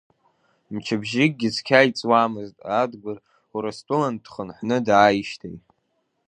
Мчыбжьыкгьы цқьа иҵуамызт Адгәыр Урыстәылантә дхынҳәны дааижьҭеи.